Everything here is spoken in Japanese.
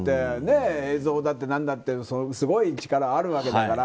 映像だって何だってすごい力があるわけだから。